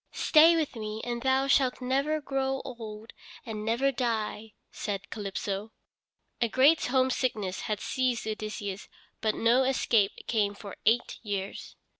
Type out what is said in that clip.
"Stay with me, and thou shalt never grow old and never die," said Calypso. A great homesickness had seized Odysseus, but no escape came for eight years.